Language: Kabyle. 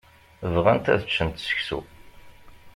Bɣant ad ččent seksu.